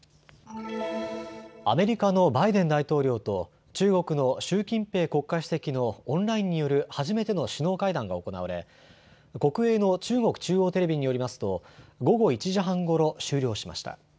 アメリカのバイデン大統領と中国の習近平国家主席のオンラインによる初めての首脳会談が行われ国営の中国中央テレビによりますと午後１時半ごろ終了しました。